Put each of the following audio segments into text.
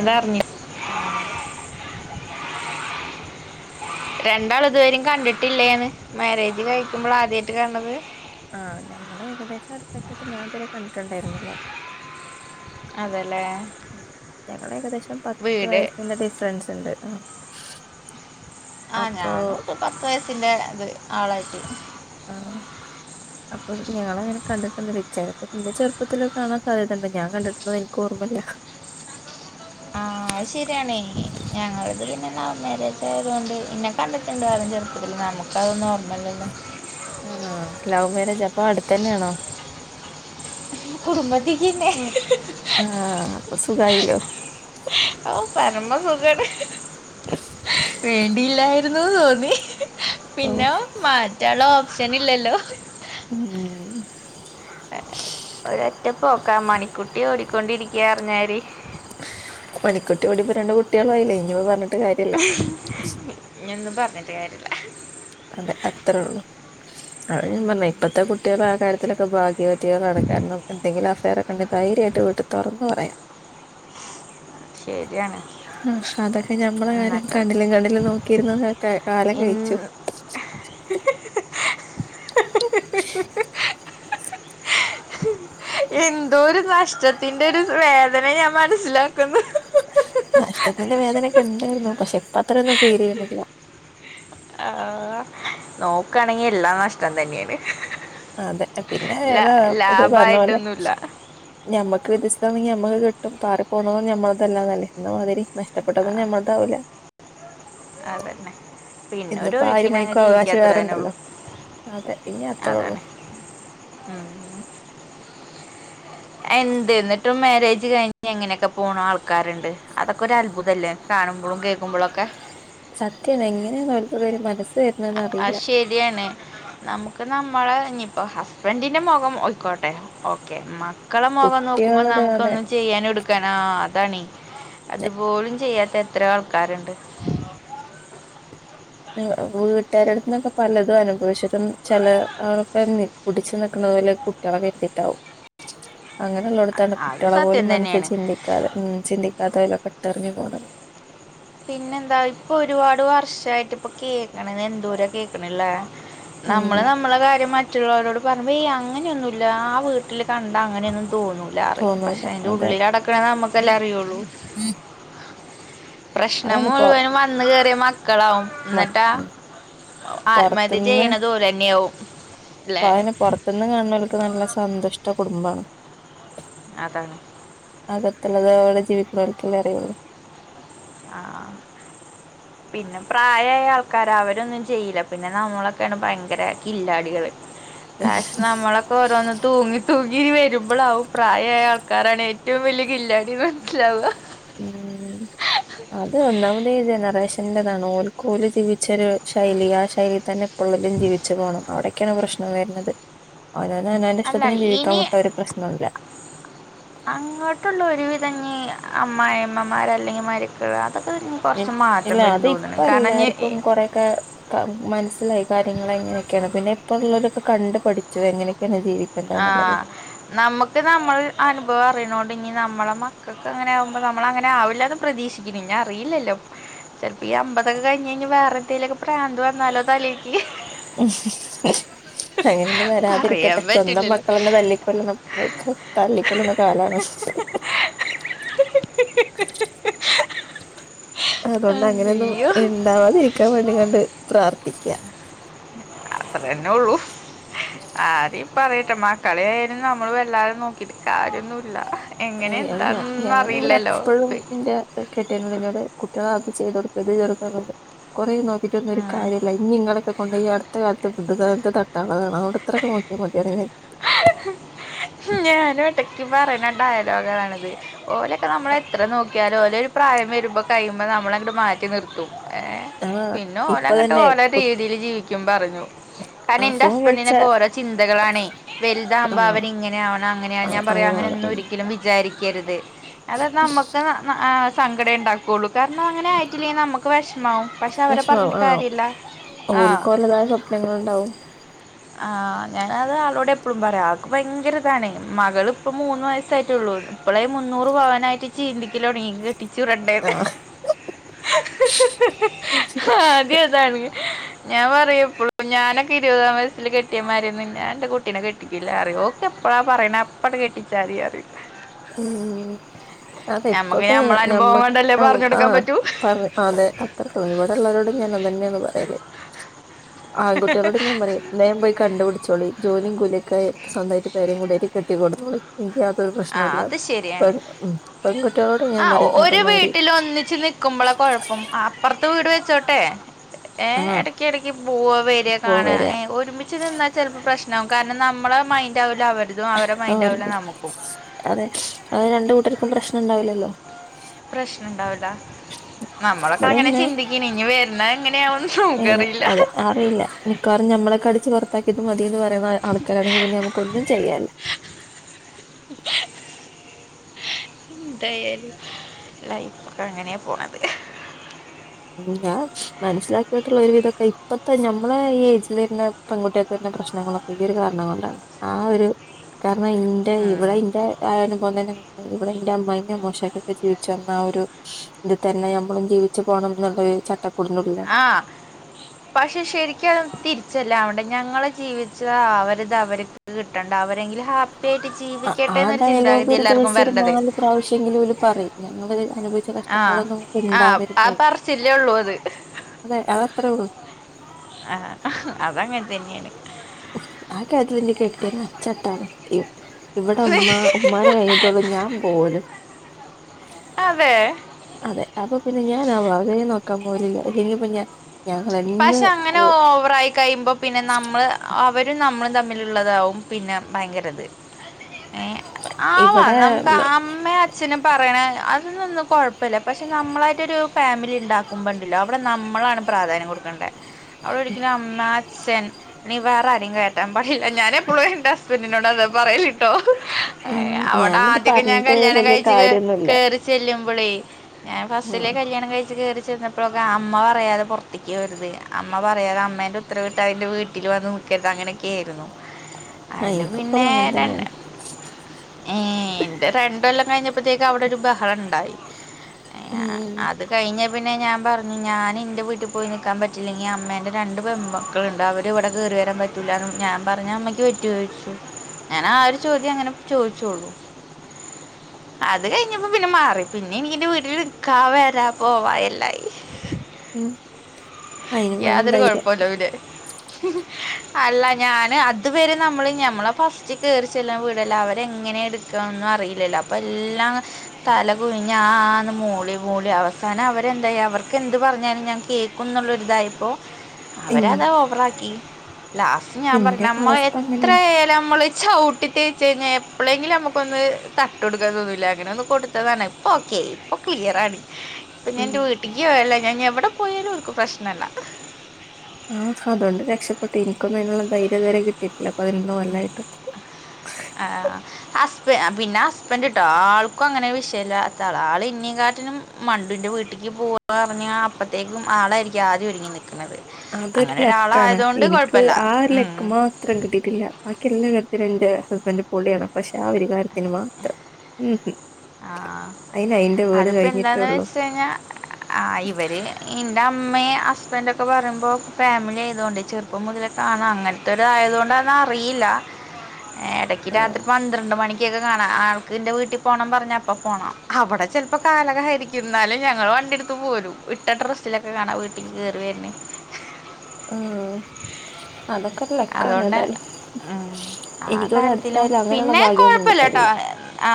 ആ അറിഞ്ഞ് ആ രണ്ടാള് ഇതുവരേം കണ്ടിട്ടില്ലേന്ന്? മാര്യേജ് കഴിക്ക്മ്പളാ ആദ്യായിട്ട് കാണണത്? ആ ഞങ്ങള് ഏകദേശം അടുത്തൊക്കെയിട്ട് ഞാൻ ഇതുവരെ കണ്ടിട്ടുണ്ടായിരുന്നില്ല അതല്ലേ ഞങ്ങള് ഏകദേശം പത്ത് വീട് വയസ്സിന്റെ ഡിഫറൻസ്ണ്ട് ആ ആഹ് ഞാനും ഒരു പത്ത് വയസ്സിന്റെ ഇത് ആളായിട്ട് ആഹ് അപ്പൊ ഞങ്ങളങ്ങനെ കണ്ടിട്ടില്ലടീ ചെലപ്പ പിന്നെ ചെറുപ്പത്തില് കാണാൻ സാധ്യതണ്ട്. ഞാൻ കണ്ടിട്ടുള്ളത് എനിക്ക് ഓർമ്മില്ല ആഹ് ശെരിയാണ്. ഞങ്ങളത് പിന്നെ ലവ് മാര്യേജ് ആയത്കൊണ്ട്. എന്നെ കണ്ടിട്ടുണ്ട് അതും ചെറുപ്പത്തില് നമുക്ക് അതൊന്നും ഓർമ്മയില്ലല്ലോ ആ ലവ് മാരേജ് അപ്പൊ അടുത്തന്നെയാണോ? കുടുംബത്തീക്കന്നെ ആ അപ്പൊ സുഖായീല്ലേ പരമസുഖാണ് വേണ്ടിയില്ലായിരുന്നൂന്ന് തോന്നി ഓ, പിന്നെ മാറ്റാനുള്ള ഓപ്ഷൻ ഇല്ലല്ലോ ഉം ഒരൊറ്റ പോക്കാ. മണിക്കുട്ടി ഓടിക്കൊണ്ടിരിക്കയാറഞ്ഞാരി മണിക്കു രണ്ട് കുട്ടികളും ആയില്ലേ ഇനി അത് പറഞ്ഞിട്ടും കാര്യമില്ല ഇഞൊന്നും പറഞ്ഞിട്ട് കാര്യല്ല അതെ അത്രേള്ളൂ അതാ ഞാൻ പറഞ്ഞേ ഇപ്പത്തെ കുട്ടികൾ ആ കാര്യത്തിലൊക്കെ ഭാഗ്യവ വതികളാണ് കാരണം എന്തെങ്കിലും അഫെയറെക്കൊണ്ടെ ധൈര്യമായിട്ട് വീട്ടി തുറന്ന് പറയാം ശരിയാ ആ അതൊക്കെ ഞമ്മള് കാലം കണ്ണിലും കണ്ണിലും നോക്കിയിരുന്നു കാലം കഴിച്ചു ഇൻ- [unintelligible] എന്തോ ഒരു നഷ്ടത്തിന്റെ ഒരു വേദന ഞാൻ മനസ്സിലാക്കുന്നു നഷ്ടത്തിന്റെ വേദനൊക്കെ ഉണ്ടായിരുന്നു പക്ഷെ ഇപ്പ അത്രൊന്നും ഫീൽ ചെയ്യുന്നില്ല നോക്കാണെങ്കി എല്ലാം നഷ്ടം തന്നെയാണ് അതെ പിന്നെ ഏതാ ലാ- ഇത് പറഞ്ഞ പോലെ ലാഭായിട്ടൊന്നുമില്ല ഞമ്മക്ക് വിധിച്ചതാണെങ്കി ഞമ്മക്ക് കിട്ടും പാറി പോണത് ഞമ്മൾക്കല്ലാതല്ലേ എന്നമാതിരി നഷ്ടപ്പെട്ടതൊന്നും ഞമ്മല്ലാതാവുല അതന്നെ പിന്നെ ഒരു ഇന്നിപ്പോ ആ ഒഴുക്കിന അങ്ങ മണിക്കൂർ അവകാശം ജീവിക്കാത്ര തന്നെ ഉള്ളു വേറെണ്ടല്ലോ അതെ ഇനി അത്രേ ഉള്ളൂ അതെന്നെ ഉം എന്ത് എന്നിട്ടും മാരേജ് കഴിഞ്ഞ് എങ്ങനെയൊക്കെ പോണം ആൾക്കാരുണ്ട് അതൊക്കെ ഒരു അത്ഭുതമല്ലേ കാണംമ്പോളും കേ സത്യന്ന എങ്ങനെയാണ് ഒരു മനസ്സ് വരുന്നേന്ന് അ അറിയില്ല ശരിയാണ് നമുക്ക് നമ്മള ഇനിയിപ്പോ ഹസ്ബൻഡിന്റെ മുഖം ഒയിക്കോട്ടെ ഓക്കെ മക്കള മുഖം നോക്കുമ്പോൾ കുട്ടികളത് അതെ നമുക്കൊന്നും ചെയ്യാാനും എടുക്കാനാ തണ അതുപോലും ചെയ്യാത്ത എത്ര ആൾക്കാരുണ്ട് വീട്ടുകാരടുത്ത്ന്നൊക്കെ പലതും അനുഭവിച്ചിട്ടും ചില ആളൊക്കെ കുടിച്ച് നിക്കുന്ന പോലെ കുട്ടികളെ കരുതിടെ ആവും അങ്ങ ല്ലോടത്താാണ് അത് കുട്ടികളെ സത്യം പോലും മനസ്സിൽ തന്നെയാണ് ചിത്തിക്കാത്ത ഉം ചിത്തിക്കാത്ത ഓക്കേ ഇട്ടേറിഞ്ഞേ പോണത് പിന്നെന്താ ഇപ്പൊ ഒരുപാട് വർഷായിട്ട് ഇപ്പൊ കേൾക്കണ എന്തൂര കേൾക്കണില്ലേ ഉം നമ്മള് നമ്മളെ കാര്യം മ മറ്റുള്ളവരോട് പറുമ്പോ എയ്യേ അങനെയൊന്നുല്ല ആ വീട്ടിൽ കണ്ട അങ്ങനെയൊന്നും തോന്നൂല്ലന്ന് പറയും തോന്നൂല പക്ഷെ അതിന്റെ ഉള്ളിൽ നടക്കണ നമുക്കല്ലാം അറിയുള്ളൂ ഉം പ്രശ്നം മുഴുവനും വന്ന കേയറിയ മ ക്കളാവും എന്നിട്ടാ ആത്മഹത്യ ചെയ്യണത് ഒരേന്നെ ആവും [unintelligible] പുറത്തെന്നെ കാണുന്നവർക്ക് നല്ല സന്തുഷ്ട കുടുംബാണ് അതാണ് അകത്തുള്ളത് അവടെ ജീവികുന്നവർക്കെയല്ലേ അറിയുള്ളൂ ആ പിന്നെ പ്രയായ ആൾക്കാര അവരൊന്നും ചെയ്യില്ല പിന്നെ നമ്മളൊക്കെയാണ് ഭയങ്കര കില്ലാടികൾ [unintelligible] നമ്മളൊക്കെ ഓരോന്ന് തൂങ്ങി തൂങ്ങി വരുമ്പോളാവും പ്രായമായ ആൾക്കാരാാണ് ഏ ഏറ്റവും വലിയ കില്ലാടിന്നെ മനസ്സിലാവ ഉം അത് ഒന്നാമത് ഈ ജനറേഷറതാണ് ഓലെക്ക് ഓലെ ജീവിച്ചൊരു ശൈലി ആ ശൈലിൽ തന്നെ എപ്പോള്ളലും ജീവിച്ചു പോണം അവിടൊക്കെയാണ് പ്രശ്നം വരുന്നത് അവനന്ന് അനാന അല്ല ഇഷ്ടത്തിനന് ജീവിക്കാൻ ഇനി വിട്ട ഒരു പ്രശ്നല്ല അതി അമ്മായിഅമ്മമാർ അല്ലെങ്കിൽ മരുകളെ ഉം ഇല്ല അത് ഇപ്പ കാരണം ഇനി എല്ലാർക്കും കൊറൊക്കെ മനസ്സിലായി കാര്യങ്ങള എങ്ങനെയക്കെ കെ പിന്നെപ്പ ഉള്ളവരക്കെ കണ്ട് പഠിച്ചു എങ്ങനെയ ആ നമ്മുക്ക് നമ്മൾ അനുഭവം അറിയണണ്ടെങ്കി നമ്മ നമ്മളെ മക്കൾക്ക് അങ്ങനെ ആകുമ്പോ നമ്മള അങ്ങനെ ആവില്ല എന്ന് പ്രതീക്ഷിക്കുന്നു ഞൻ അറിയില്ലല്ലോ ചിലപ്പോ ഈ അമ്പതൊക്കെ കഴിഞ്ഴി വേറെ എന്തേലക്കെ പ്രാന്ത് വന്നാലോ തലേക്ക് [unintelligible] പറയാൻ വരാതിരിക്കട്ടെ സ്വന്തം പറ്റില്ലല്ലോ മക്കളെ തല്ലിക്കൊണ്ട് ത കോളുന്ന കാലാണ് അതുകൊണ്ട് അങ്ങനെയൊന്നും അയ്യോ ഉണ്ടാവാതി എനിക്കാൻ വേണ്ടി കണ്ട് പ്രാർ ട്ടിക്ക അത്ര തന്നെ ഉള്ളു ആരി പറയട്ടെ മാ കളിയായാലും നമ്മള് വല്ലരും നോക്കിട്ട കാര്യമൊന്നുല്ല എ ഞാനിവിടെ എപ്പോഴും ഇന്റെ കെട്ട നോട് കുട്ടികളൊക്കെ ചെയ്ത കൊടുക്കത് ചെറു കുറേ നോക്കിട്ട്ന്നും ഒരു ഉം കാര്യമല്ല ഇനി ഇങ്ങളെക്കെ അതൊണ്ട് ഈ അടുത്ത കാലത്ത് ബുന്ധുകളെ [unintelligible] ഇത്രൊക്കെ നോക്കിയാ മതിയ ഞാന ഒടക്ക് പറയുന്ന ഡയലോഗാണത് ഓലൊക്കെ നമ്മള എത്ര നോക്കിയാലും ഓല ഒരു പ്രായം വരുമ്പോൾ കഴിയുമ്പോ നമ്മള മാറ്റി നിർത്തും ഏർ ഞാൻ ആഹ് പിന്നെ ഓല ഇപ്പൊ അങ്ങിട്ട് തന്നെ ഓല കുട്ടി രീതിൽ ജീവിക്കും പറഞ്ഞു കാരൻ ആഹ് എൻറെ ഫോൺ വിളിച്ചാ ഹസ്ബൻഡിനൊക്കെ ഓരോ ചിന്തകളാണ് വലുതാവകുമ്പോ ആഹ് അവർ ഇങ്ങനെയ ആണ അങ്ങനെയ ആഹ് ഞാൻ പറയാ അങ്ങനെ അങ്ങനെയാണ് ഒന്നും ഉം ഒരിക്കലും വിചാരിക്കരുത് അത നമ്മുക്ക് സങ്കടം ഉണ്ടാക്കുള്ളൂ കാരണം അങ്ങനെ ആയിട്ടില്ലേ നമുക്ക് വിഷമാവും പക്ഷെ അവരെ പറഞ്ഞിട്ട് കാര്യമില്ല ആ ഓൽക്കോലതായ സ്വപ്നങ്ങ ഉണ്ടാവും ആ ഞാന അത് ആളോടെ എപ്പോഴും പറയാം അവക്ക് ഭയങ്കര ഇതാണ് മകൾ ഇപ്പം മൂന്ന് വയസ്സായിട്ടേ ഉള്ളൂ ഇപ്പോളേ മുന്നൂറ് ഭവനായിട്ട് ചിന്തിക്കലോ ങ്ങിണ് കെട്ടിച്ചു വിടണ്ടേ ആഹ് [unintelligible] ഞാൻ പറയ എപ്പോഴും ഞാനൊക്കെ ഇരുപതാം വയസ്സില് കെട്ടിയമായി രുന്നു ഞാൻ എന്റെ കു കുട്ടീനെ കെട്ടിക്കില്ല അറി ഓക്കെ എപ്പഴാ പറയണ എപ്പഴ കെട്ടിച്ചാ മതി ഉ അതെ നമുക്ക് ഇപ്പൊക്ക നമ്മളെ അനുഭവം ഞമ്മക്ക് കൊണ്ടല്ലേ ആ പറഞ്ഞു പറ കൊടുക്കാൻ പറ്റൂ അതെ അത്രേള്ളൂ ഇവിടെ ഉള്ളരോടും ഞാൻ അത് തന്നെയാണ് പറയല് ആൺകുട്ടികളോട് ഞാൻ പറയും മേ പോയി കണ്ടുപിടിച്ചോളി ജോലി [unintelligible] സ്വന്തമായിട്ട് പെരീം കൂടി ഒക്കെ ആയിട്ട് കിട്ടി കൊണ്ടന്നോ ളി ഇ നിക്ക് യാതൊരു ആ പ്രശ്നല്ലെ അത് ശരിയാണ് ഉ പെൺകുട്ടികളോട് ഞാൻ ആ പറയും അതേമാരി കുഴപ്പം അപ്പുറത്ത് വീട് വെച്ചോട്ടെ ഏ ആഹ് ഇടക്ക ഇടക്ക് പോവാ വരിയാ പോ കാണാ വരാ ഏ ഒരുമിച്ച് നിന്നാ ചിലപ്പോ പ്രശ്നം കാരണം നമ്മളെ മൈൻഡ് ആവില്ല അവർതും അവടെ മൈൻഡ് ആവില്ല വെറുതെ നമുക്കും അതെ അത് രണ്ട കൂട്ടർക്കും പ്രശ്നം ഉണ്ടാവില്ലല്ലോ പ്രശ്നംണ്ടാവല [inaudible] ഇടെന്നെ ഇനി വരുന്നത് എങ്ങനെയാവുന്ന് നമുക്കറിയില്ല അതെ അറിയില്ല മിക്കവാറും ഞ്ഞ നമ്മെ കടിച്ചറത്ത ത് മതിന്ന് പറയുന്ന ആൾക്കാരാണെങ്കിൽ പിന്നെ നമക്ക് ഒന്നും ചെയ്യാല [inaudible] എന്തായാല ലൈഫ് ഒക്കെ അങ്ങനെയ പോണത് ഇല്ല മനസ്സിലാക്കിയിട്ടുള്ള ഒരു വിധൊക്കെ ഇപ്പത്തെ ഞമ്മളെ ഈ ഇജെ പെകുട്ടിയൊക്കെ തന്നെ പ്രശ്നങ്ങളൊക്കെ ഈ കാരണം എന്താണ് ആ ഒരു ഇന്റെ ഉം ഇവിടെ ഇന്റെ ആയോനും [unintelligible] ഇവിടെ എന്റെ അമ്മായിമിം അമ്മോശക ജീവിച്ചു വന്ന ഒരു ഇതിൽ തന്നെ നമ്മളും ഓണം നിള ച്ച ആ പക്ഷെ ശരിക്കും തിരിച്ചല്ല അവടെ ഞങ്ങള് ജീവിച്ച അവരിത് അവർക്ക് കിട്ടണ്ട അവരെങ്കിലും ഹാപ്പ പട്ടി ആ ആ ജീവിക്കട്ടെ എന്നൊരു ഡയലോഗ് ചിന്താഗതി ഒരു എല്ലാർക്കും ദിവസം ഒരു വരേണ്ടത് നാല് പ്രാവശ്യെങ്കിലും ഓല് പറയും ഞങ്ങള് അനുഭവിച്ച ആഹ് കഷ്ടപ്പാടന്നും ആഹ് ഉണ്ടാവരുത ആ പറച്ചിലേ ഉള്ളൂ അത് അതെ അതത്രേ ഉള്ളു അതു തന്നെയാണ് ആ കാര്യത്തി എന്റെ കെട്ടിയ അച്ചട്ടാണ് ഇവിടെ ഉ് ഉമ്മാടെ കഴിഞ്ഞിട്ടുള്ള ഞാൻ പോലും അതെ അതെ അപ്പൊ പിന്നെ ഞാൻ ആ വകയെ നോക്കാൻ പോലില്ല ഇല്ലെങ്കിപ്പ ഞാൻ ഞങ്ങളെന്ന് പക്ഷെ അങ്ങനെ ഓവറ ആായി കഴിയുമ്പോ പിന്നെ നമ്മള് അവ ഒരു നമ്മളും തമ്മിലുള്ളതാവും പിന്നെ ഭയങ്കരത് ആവാ ഇവിടെ നമുക്ക് അമ്മയും അച്ഛനും പറയണ അതന്നൊന്നും കുഴപ്പമില്ല പക്ഷെ നമ്മളായിട്ടൊരു ഫാമിലി ഉണ്ടാക്കുമ്പോ ഉണ്ടല്ലോ അവിടെ നമ്മളാണ് പ്രാധാന്യം കൊടുക്കുന്നുണ്ട അവിടെ ഒരിക്കുന്ന അമ്മ അച്ഛൻ അല്ലെങ്കിൽ വേറെ ആരങ്കും കേട്ടം പില്ല ഞാാന എപ്പോളും എന്റെ ഹസ്ബൻറിനോട് അത് പറയലിട്ടോ ഉം അവിടെ ഞാനത് ആദ്യൊക്കെ ഞാൻ പറഞ്ഞിട്ട് കല്യാണം വലിയ കഴച്ച് കാര്യൊന്നുല്ല കേറി ചെല്ലും ഞൻ ഫസ്റ്റിലെ ആഹ് കല്യാണം കഴിച്ചച്ച് കയറി ചപ്പോഴൊക്ക അമ്മ പറയാതെറ ഒട്ടക്ക് വരുത് അമ്മ പറയാെ അമ്മേന്റെ ഉത്തരവിട്ട് അതിന്റെ വീട്ടിൽ വന്ന് നക്കട്ട് അങ്ങനെയൊക്കെയ ആായിരുന്നു ആഹ് അയില് എനിക്കിപ്പളും പിന്നെ അങ്ങനെ രണ്ട് തന്നെയാണ് ഏ ഇന്റെ രണ്ടുകൊല്ലം കഴിഞ്ഞപ്പത്തേക്ക് അവിടെ ഒരു ബഹളണ്ടായി. ഉം അത് കഴിഞ്ഞേപിന്നെ ഞാൻ പറഞ്ഞു ഞാൻ ൻ്റെ വീട്ടിപൊ പോയി നിൽക്കാൻ പറ്റില്ലെങ്കിൽ അമ്മേൻ്റെ രണ്ട് പെൺമക്കളുണ്ട് അവർ ഇവിടെ കയറി വരാൻ പറ്റൂലന് ഞാൻ പറഞ്ഞ അമ്മയ്ക്ക് റ്റൊയ്ച്ചു ഞാൻ ആ ഒരു ചോദ്യം അങ്ങനെ ചോദിച്ചോള്ളു. അത് കഴിഞ്ഞപ്പോ പിന്നെ മാറി പിന്നെ എനിക്ന്റെ വീട്ടിൽ നിക്കാ വരാ പോവാ എല്ലായി. [inaudible] അയിനും വേണം യാതൊരു ധൈര്യം കുഴപ്പല്ലോ ഇല്ലേ ഹ് ഹെ അല്ല ഞാൻ അതുവരെ നമ്മൾ ഞമ്മളെ ഫസ്റ്റ് കയറി ചെല്ലുന്ന വീടെല്ലേ അവരെങ്ങനെ എടുക്കാനൊന്നും അറിയില്ലലോ അപ്പോ എല്ലാം തല കുനിഞ്ഞ് ആ ആന്ന് മൂളി മൂളി അവസാനം അവരെന്തായി അവർക്കെന്ത് പറഞ്ഞാലും ഞാൻ കേക്കുംന്നുള്ളൊരിതായിപ്പോൾ ഉം അവരതാ ഓവറാക്കി. ലാസ്റ്റ് ഞാൻ പറഞ്ഞ ഇന്റെയൊക്കെ അവസ്ഥ അങ്ങനെയാണ് നമ്മളത്രയാലും നമ്മള് ചവിട്ടി തേച്ച് കഴിഞ്ഞ എപ്പളെങ്കിലും നമുക്കൊന്ന് തട്ട് കൊടുക്കാൻ തോന്നൂല്ലേ അങ്ങനെ ഒന്ന് കൊടുത്തതാണ് ഇപ്പ ഓകെ ഇപ്പ ക്ലിയറാണ്. ഇപ്പൊ ഉം ഞാന്റെ വീട്ടക്ക് പോയല്ല ഞാൻ എവിടെ പോയാലും അവർക്ക് പ്രശ്നല്ല. ആഹ് അതുകൊണ്ട് രക്ഷപ്പെട്ടു എനിക്കൊന്നും അയിനുള്ള ധൈര്യം ഇതുവരെ കിട്ടിട്ടില്ല. പതിനൊന്നുകൊല്ലായിട്ട് ഏ പിന്നെ ഹസ്ബൻഡ്ട്ടോ ആൾക്കും അങ്ങനെ വിഷയല്ലാത്ത ആള, ആള് ഇന്നേക്കാട്ടിലും മണ്ടുൻ്റെ വീട്ടിൽ പൂവ്വാറഞ്ഞ അപ്പത്തേക്കും ആളായിരിക്കും ആദ്യം ഒരുങ്ങുന്നെ. അതൊരു ലക്കാണ് എനിക്ക് കുഴപ്പമില്ല ആ ഒരു ഉം ലക്ക് മാത്രം കിട്ടിട്ടില്ല ബാക്കി എല്ലാ കാര്യത്തിലും എന്റെ ഹസ്ബൻഡ് പൊളിയാണ് പക്ഷെ ആ ഒരു കാര്യത്തിന് മാത്രം ഉഹും ആഹ് അതിപ്പോ എന്താന്ന് കഴിഞ്ഞിട്ടേള്ളൂ വെച്ച കഴിഞ്ഞാ ഇവര് ന്റെ അമ്മേ ഹസ്ബെന്റൊക്കെ പറയുമ്പോ ഫാമിലി ആയതൊണ്ടേ ചെറുപ്പം മുതലേ കാണാം അങ്ങനതോരായതുകൊണ്ട ന്നാ അറിയില്ല [inaudible] എടയ്ക്ക് ആഹ് രാത്രി പന്ത്രണ്ട് മണിക്കൊക്കെ കാണാം ആൾക്ക് ന്റെ വീട്ടിൽ പോണം പറഞ് ഞ്പ്പോ പോണം അവിടെ ചെലപ്പോ കാലകഹരിക്കും ന്നാലും ഞങ്ങൾ വണ്ടിടുത്ത് പോരും ഇട്ട ഡ്രസ്സിലൊക്കെ കാണാ വീട്ടിക്ക് കേറിവരണ് ആഹ് അതൊക്കെ ഒരു ലക്കാണ് അതോണ്ട് ഏതായാലും ഉം ആ എനിക്കിവിടെ കാര്യത്തിലും അടുത്തായാലും അങ്ങനെയുള്ള പിന്നെ ഭാഗ്യൊന്നും കൊഴപ്പില്ല ട്ടോ കിട്ടലില്ല ആ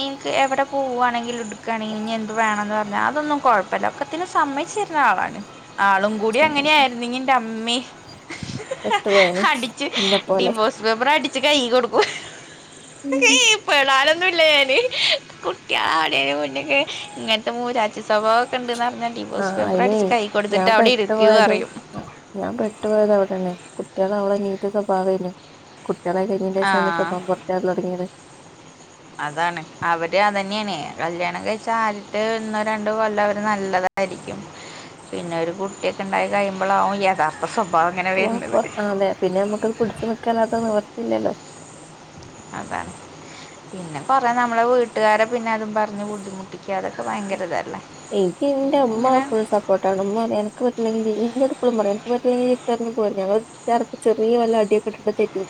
ഇനിക്ക് എവിടെ പോവ്വാണെങ്കിലും എടുക്കാണെങ്കിലും ഇനി എന്ത്‌ വേണെന്ന് പറ അതൊന്നും കൊഴപ്പല്ല ഒക്കത്തിനും സു സമ്മയിച്ചെര്ണാളാണ് ആളും കൂടി അങ്ങനെയായിരുന്നെങ്കി ന്റെമ്മേ പെട്ടുപോയനെ ഹെ അടിച്ചു ഹ് എന്നെപ്പോലെ ഡിവോർസ് പേപ്പറടി കൈ കൊടുക്കും ഹ് ഹ് ഹീ പെടാനൊന്ന് ക്കൂല്ലാഞാൻ കുട്ടിയാളവണയിന്റെ മുന്നക്കെ ഇങ്ങനത്തെ മൂരാച്ചി സ്വഭാവൊക്കെണ്ടന്നരി ആഹ് അയിനേ ഞാൻ പെട്ടു ഇരിക്കുകയും പോയതും അറിയും ഞാൻ പെട്ടുപോയത് അവിടെന്നെ കു ട്ടികളാവോളം നീറ്റ് സ്വഭാവേനു കുട്ടികളായി കെഴിഞ്ഞിന്റെ ശേഷാണ് ആ സ്വഭാവം പുറത്ചാടലൊടങ്ങിയത്. അതാണ് അവര് അതന്നെയാണ് കല്യാണം കഴിച്ചാ ആദ്യത്തെ ഒന്നോ രണ്ടോ കൊല്ലം അവര് നല്ലത ആയിരിക്കും പിന്നെ ഒരു കുട്ടിയൊക്കെ ഉണ്ടായികഴിയുമ്പളാവും യഥാർത്ഥ സ്വഭാ വം പൊറത്താവന്നെ പിന്നെ നമ്മുക്കത് പിടിച്ച് നിക്കല്ലാതെ നിവർത്തില്ലല്ലോ. അതാണ് പിന്നെ പറയാ നമ്മളെ വീട്ടുകാരെ പിന്നെ അതും പറഞ്ഞ് ബുദ്ധിമുട്ടിക്കാതെ ഭയങ്കരതല്ലേ എനിക്ക് ന്റെ ഉമ്മ ഫുൾ സപ്പോർട്ടാണ് ഉമ്മപറയും അനക്ക് പറ്റില്ലെങ്കിൽ ഇ ഇന്നോടുപ്പളും പറയും ഇട്ടറിഞ്പോരെ ഞങ്ങൾ ഞങ്ങ ച ചെറിയ വല്ല അടിയൊക്കെ ഇട്ട് തെറ്റി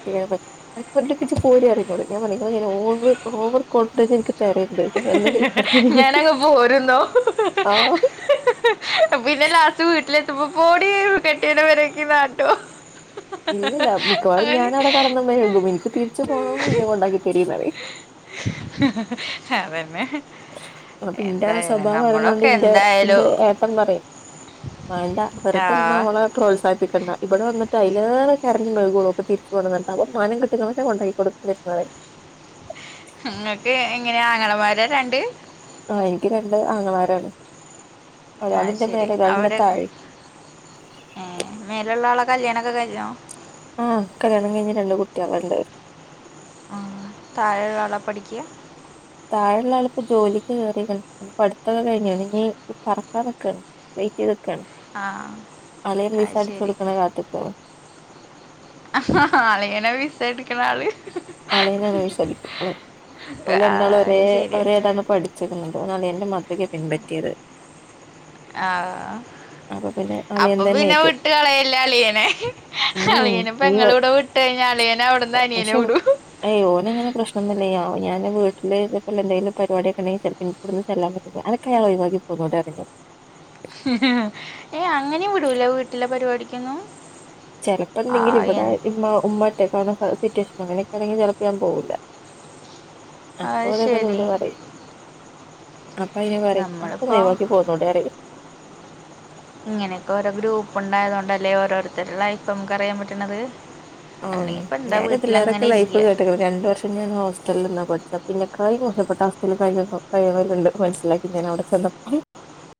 ട്ടേച് പോര് പറയുംന്നോട് ഞാൻ പറയ ഓവ ഓവർ കോൺഫിഡൻസ് എനിക്ക് തരരുത് ഞാനെന്തെങ്കിലും ഞാനങ്ങ് പോരുന്നോ ഹ് ഹ് ആഹ് ഹ് ഹെ പിന്നെ ലാസ്റ്റ് വീട്ടിലെ ഇമ്മക്കൂടി കെട്ടിയോനെ വരക്കന്നാട്ടോ ഇല്ലില്ല മിക്കവാറും ഞാൻ അവിടെ കടന്നമെഴുകും എനിക്ക് തിരിച്ചു പോണം ഇന്നെ കൊണ്ടാക്കി തരീപറിം ഹ് ഹ് ഹ് ഹെ അതന്നെ അപ്പൊന്റാ എന്തായാലും സ്വഭാവം അറിയുന്നോണ്ട് നമ്മളൊക്കെ ഇന്റെ ഇന്റെ എന്തായാലും ഏട്ടൻ പറയും വേണ്ട ആ വെറുത്ത നമ്മ അവമ്മളെ പ്രോത്സാഹിപ്പിക്കണ്ട ഇവിടെ വന്നിട്ട അലേ കരഞ്ഞഞ് മെുകുള്ളൂപ്പൊ തിരിച്ചു കൊന്നിട്ട് അപ്പ മം കിട്ടുന്നൊക്കെണ്ടാക്കി കൊടുക്കുന്നരുന്നെ നിങ്ങൾക്ക് ഇങ്ങനെയാ ആങ്ങണമാരാ രണ്ട് ആ എനിക്ക് രണ്ട് അങ്ങമാരാണ് ആഹ ശരി അവടെ ഏ മേലുള്ള ആളക്കെ കല്യാണം ഒക്കെ കഴിഞ്ഞതാണോ ആഹ കല്യാണം കഴിഞ്ഞഞ് രണ്ട കുട്ടികൾ ഉണ്ട് ഉ താഴെ ഒരാളാ പഠിക്കുക താഴെയുള്ള ആളിപ്പോ ജോലിക്ക് കയറിയ പഠത്തത കഴിഞ്ഞാണ് ഇ പററക്കാനൊക്കെയാണ് വെയിറ്റ് ചെയ് ആ അലയിൽ വിസാരിിച്ചു കൊടുക്കണ കാത്തക്ക ആ അളങ്ങനെ വിീസ എടുക്കണ ആള് ആളെ വിശദിക്ക അഓല ആ, എന്നാൾ ഒരേ അത് ശരി ഒരേതാണ് പ പഠിച്ചിരുന്നത് ഒാണ് എൻറെ മതൃയെ പിൻപറ്റിയത് ആ അപ്പൊ പിന്നെ അളിയൻ അപ്പൊ തന്നെ പിന്നെ ഏറ്റു വിീട്ട് കളയല്ലേ അളിയനെ ഉം ഈ അളിയനെപ്പങ്ങള വ- ഇവിടെ വിട്ട കഴിഞ്ഞ അളിയ നെ അവിടന്നാ അനിയനെ വിട അയ്യോനങ്ങനെ പ്രശ്ംന്നല്ല ഞൻ വീട്ടില് ഇ എന്തങ്കും പരിപാടടിൊെങ്കിൽിലപ്പോ ഇോടുന്ന്ൊൻ മോ എനക്കയാളോ ഇകി പോകുന്നുോട ഇറങ്ങ ഹലോ ചിലപ്പോ എന്തെങ്കിലും ഇവിടെ ഉമ്മ്റ്റക്കണ സിറ്റുവേഷൻ അങ്ങനെയൊക്കൊണെ ചെപ്പ ചെയാൻ പോൂില്ല അത് അപ്പൊതങ്ങലെ ശരി പിന പറ അപ്പ അതിനെ പറയും എനക്ക് നമ്മളിപ്പോ നൈവാക്കി പോകന്നൂട അറിയേ ഇങ്ങനെയൊക്കെ ഓരോ ഗ്രൂപ്പ ഉണ്ടായതോണ്ടല്ലേ ഓരോരുത്തരുല്ല ഇപ്പൊ നമുക്ക് അറിയാൻ പറ്റണത് ആ അല്ലെങ്കിപ്പോ എന്താ ഞാനൻതില്ലോരൊക്കെ വീട്ടിലങ്ങനെ ലൈഫ് ഇരിക്കുക കേട്ടിുന്നത് രണ്ട വർഷം ഞാൻ ഹോസ്റ്റലന്ന പഠിച്ച പിന്നെ കൈ മോശപ്പെട്ട അവസ്ഥയില് ഭയ കഴവലണ്ട് മനസ്സിലാക്കി ഞാൻ അവിടെ ചെന്നപ്പോ